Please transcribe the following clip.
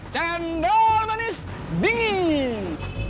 cendol manis dingin